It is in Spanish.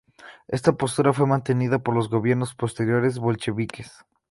Esta postura fue mantenida por los gobiernos posteriores bolcheviques.